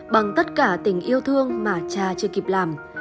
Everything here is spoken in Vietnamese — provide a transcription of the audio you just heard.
bằng tất cả tình yêu thương mà cha chưa kịp làm